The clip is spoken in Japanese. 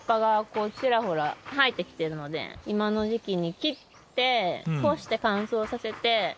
ちらほら生えてきているので今の時期に切って干して乾燥させて食べたり。